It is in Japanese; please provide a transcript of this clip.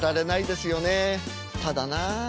ただなあ